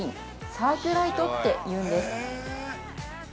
サーキュライトっていうんです。